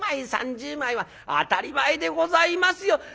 ２０枚３０枚は当たり前でございますよ」。